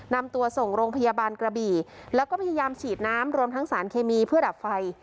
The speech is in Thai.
นำตัวส่งโรงพยาบาลกระบี่แล้วก็พยายามฉีดน้ำรวมทั้งสารเคมีเพื่อดับไฟ